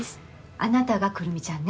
あなたがくるみちゃんね。